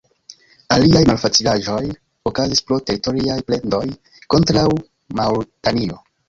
Aliaj malfacilaĵoj okazis pro teritoriaj plendoj kontraŭ Maŭritanio.